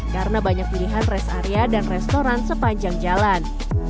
karena banyak pilihan rest area dan restoran sepanjang jalan